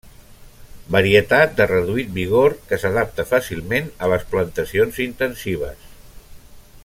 Varietat de reduït vigor que s'adapta fàcilment a les plantacions intensives.